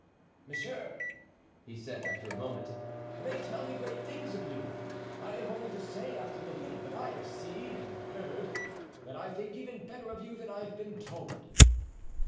"Monsieur," he said, after a moment, "they tell me great things of you. I have only to say, after the little that I have seen and heard, that I think even better of you than I have been told."